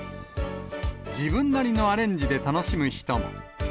自分なりのアレンジで楽しむ人も。